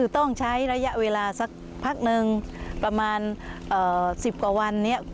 ต้องใช้ระยะเวลาสักพักนึงประมาณ๑๐กว่าวันนี้